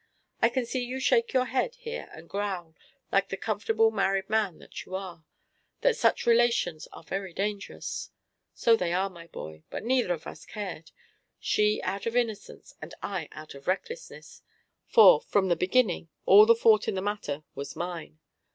I can see you shake your head here and growl, like the comfortable married man that you are, that such relations are very dangerous. So they are, my boy: but neither of us cared, she out of innocence and I out of recklessness, for from the beginning all the fault in the matter was mine.